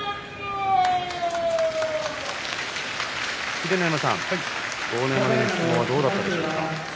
秀ノ山さん、豪ノ山の相撲はどうだったでしょうか。